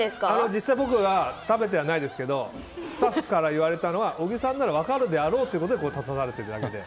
実際、僕が食べてはないですけどスタッフから言われたのは小木さんなら分かるであろうということで立たされてるだけで。